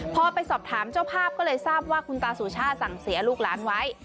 พอไปสอบถามเจ้าภาพก็เลยทราบว่าคุณตาสุชาติสั่งเสียลูกหลานไว้